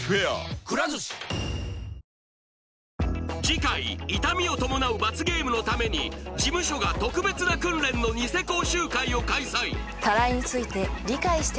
次回痛みを伴う罰ゲームのために事務所が特別な訓練のニセ講習会を開催